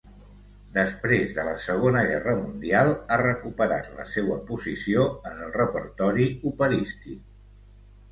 Després de la Segona Guerra Mundial ha recuperat la seua posició en el repertori operístic.